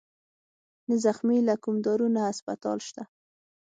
نه زخمى له کوم دارو نه هسپتال شت